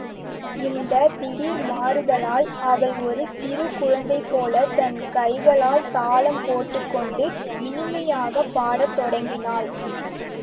இந்தத் திடீர் மாறுதலால், அவள் ஒரு சிறு குழந்தைபோலத் தன் கைகளால் தாளம் போட்டுக்கொண்டு, இனிமையாகப் பாடத் தொடங்கினாள்.